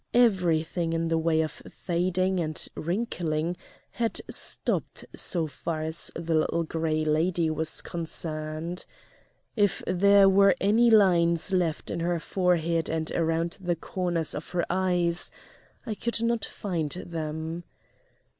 Everything in the way of fading and wrinkling had stopped so far as the Little Gray Lady was concerned. If there were any lines left in her forehead and around the corners of her eyes, I could not find them.